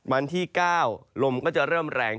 วันที่๙ลมก็จะเริ่มแรง